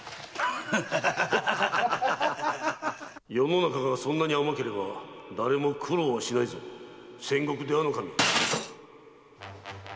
・世の中がそんなに甘ければ誰も苦労はしないぞ仙石出羽守！